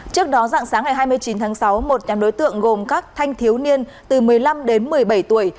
trước đó dạng sáng ngày hai mươi chín tháng sáu một nhóm đối tượng gồm các thanh thiếu niên từ một mươi năm đến một mươi bảy tuổi